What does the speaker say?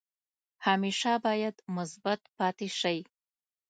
همیشه باید مثبت پاتې شئ.